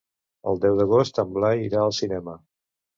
El deu d'agost en Blai irà al cinema.